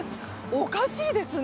おかしいですね。